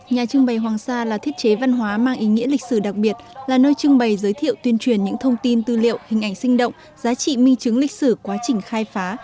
nhà trưng bày hoàng sa là thiết chế văn hóa mang ý nghĩa lịch sử đặc biệt là nơi trưng bày giới thiệu tuyên truyền những thông tin tư liệu hình ảnh sinh động giá trị minh chứng lịch sử quá trình khai phá